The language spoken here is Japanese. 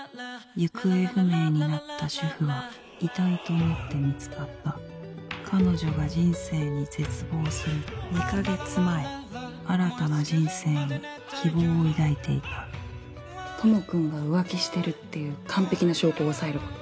行方不明になった主婦は遺体となって見つかった彼女が人生に絶望する２か月前新たな人生に希望を抱いていた智くんが浮気してるっていう完璧な証拠を押さえること。